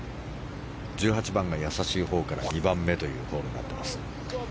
１８番がやさしいほうから２番目というホールになっています。